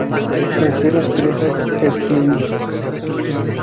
Mujeres presas, excluidas.